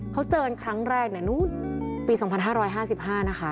เขาเจอกันครั้งแรกปี๒๕๕๕นะคะ